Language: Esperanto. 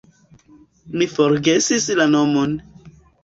Mi forgesis la nomon.